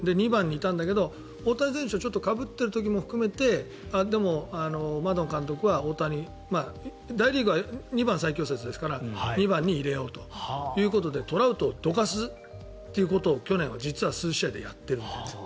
２番にいたんだけど大谷選手とかぶっている時も含めてでも、マドン監督は大リーグは２番最強説ですから大谷を２番に入れようということでトラウトをどかすということを去年は実は数試合でやっている。